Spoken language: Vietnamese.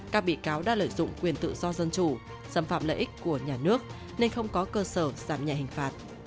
các bị cáo đã lợi dụng quyền tự do dân chủ xâm phạm lợi ích của nhà nước nên không có cơ sở giảm nhẹ hình phạt